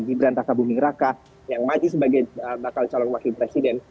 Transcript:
di berantaka bumi raka yang maju sebagai bakal calon wakil presiden